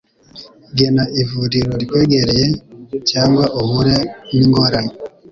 gana ivuriro rikwegwereye cyangwa uhure ningorane